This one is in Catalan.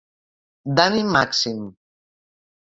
Dany Màxim: